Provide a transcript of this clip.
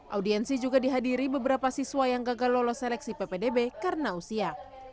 audiensi juga dihadiri beberapa siswa yang gagal lolos seleksi ppdb karena usia